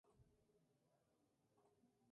No hacen nada a medias.